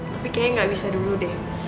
tapi kayaknya nggak bisa dulu deh